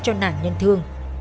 cho nạn nhân thương